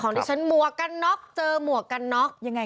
ที่ฉันหมวกกันน็อกเจอหมวกกันน็อกยังไง